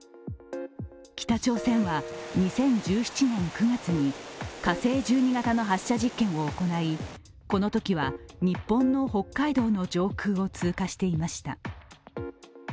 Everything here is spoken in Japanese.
北朝鮮は２０１７年９月に火星１２型の発射実験を行いこのときは日本の北海道の上空を通過していました。